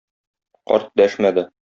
Карт дәшмәде.